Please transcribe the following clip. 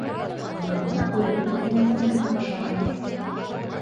Быныһы урядник күңеленә бик оҡшаны.